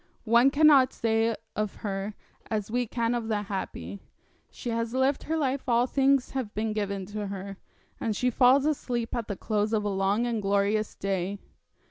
One cannot say of her as we can of the happy; she has lived her life all things have been given to her, and she falls asleep at the close of a long and glorious day.